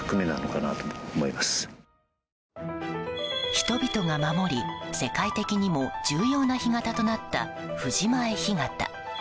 人々が守り、世界的にも重要な干潟となった藤前干潟。